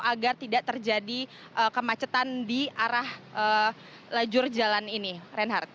agar tidak terjadi kemacetan di arah lajur jalan ini reinhardt